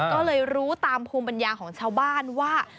ก็เลยรู้ตามภูมิปัญญาของชาวบ้านว่า